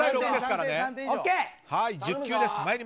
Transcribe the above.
１０球です。